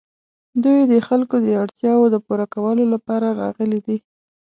دوی د خلکو د اړتیاوو د پوره کولو لپاره راغلي دي.